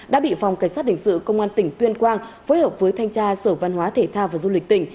đã bị phòng cảnh sát hình sự công an tỉnh tuyên quang phối hợp với thanh tra sở văn hóa thể thao và du lịch tỉnh